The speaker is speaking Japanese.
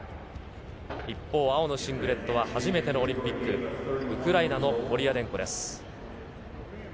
一方、青のシングレットは初めてのオリンピック、ウクライナのコリアデンコです。